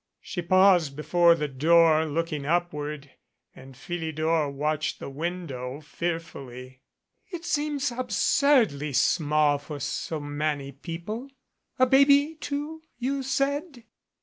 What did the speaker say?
She paused before the door, looking upward, and Philidor watched the window fear fully. "It seems absurdly small for so many people. A baby, too, you said?"